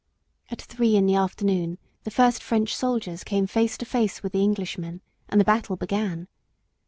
At three in the afternoon the first French soldiers came face to face with the Englishmen, and the battle began.